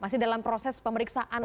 masih dalam proses pemeriksaan